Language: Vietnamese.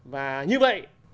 và như vậy